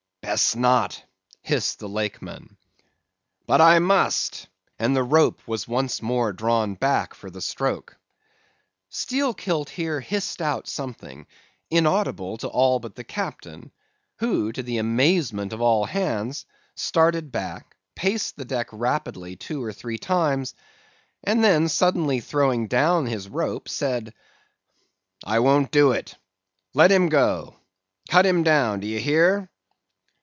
"'Best not,' hissed the Lakeman. "'But I must,'—and the rope was once more drawn back for the stroke. "Steelkilt here hissed out something, inaudible to all but the Captain; who, to the amazement of all hands, started back, paced the deck rapidly two or three times, and then suddenly throwing down his rope, said, 'I won't do it—let him go—cut him down: d'ye hear?